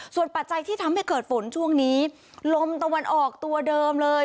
ส่วนปัจจัยที่ทำให้เกิดฝนช่วงนี้ลมตะวันออกตัวเดิมเลย